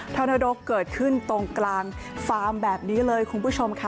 อนาโดเกิดขึ้นตรงกลางฟาร์มแบบนี้เลยคุณผู้ชมค่ะ